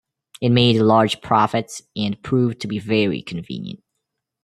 It made large profits and proved to be very convenient.